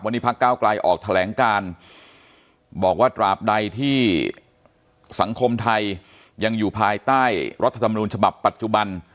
วันนี้พักเก้าไกลออกแถลงการบอกว่าตราบใดที่สังคมไทยยังอยู่ภายใต้รัฐธรรมนูญฉบับปัจจุบัน